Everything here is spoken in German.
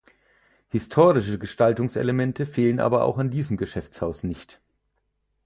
Historistische Gestaltungselemente fehlen aber auch an diesem Geschäftshaus nicht.